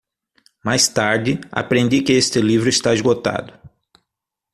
Mais tarde, aprendi que este livro está esgotado.